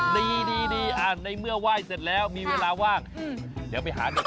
ดีในเมื่อไหว้เสร็จแล้วมีเวลาว่างเดี๋ยวไปหาดู